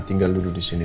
tinggal dulu disini